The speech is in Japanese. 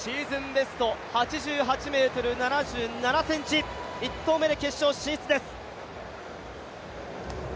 ベスト８８ｍ７７ｃｍ、１投目で決勝進出です。